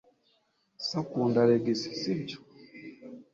So akunda Alex, sibyo?